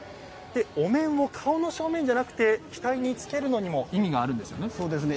お面を顔の正面ではなくて額につけるのにも意味があるんですよね。